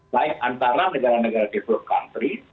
baik antara negara negara develop country